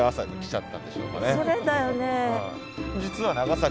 それだよね。